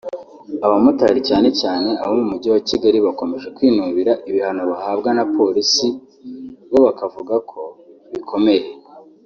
Abamotari cyane cyane abo mu Mujyi wa Kigali bakomeje kwinubira ibihano bahabwa na Polisi bo bavugako bikomeye